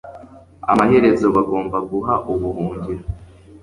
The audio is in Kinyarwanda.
Amaherezo bagombaga guha ubuhungiro.